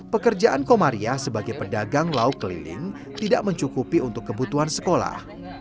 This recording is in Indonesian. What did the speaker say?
pekerjaan komaria sebagai pedagang lauk keliling tidak mencukupi untuk kebutuhan sekolah